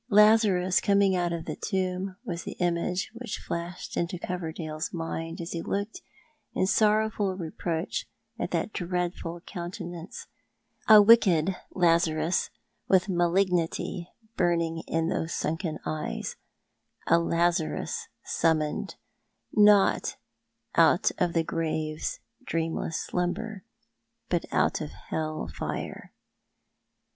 Lazarus coming out of the tomb was the image which flashed into Coverdale's mind as he looked in sorrowful reproach at that dreadful countenance, a wicked Lazarus, with malignity burning in those sunken eyes — a Lazarus summoned, not out of the grave's dreamless slumber, but out of hell fire.